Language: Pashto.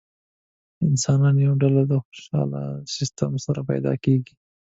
انسانانو یوه ډله خوشاله سیستم سره پیدا کېږي.